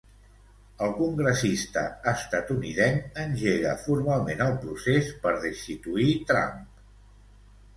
El congressista estatunidenc engega formalment el procés per destituir Trump.